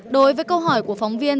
đối với câu hỏi của phóng viên